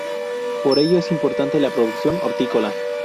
Por ello es importante la producción hortícola.